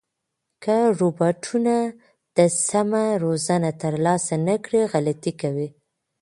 که روبوټونه د سمه روزنه ترلاسه نه کړي، غلطۍ کوي.